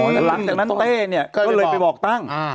แต่หลังจากนั้นเต้เนี่ยก็เลยไปบอกตั้ง